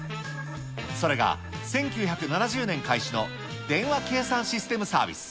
それが、１９７０年開始の電話計算システムサービス。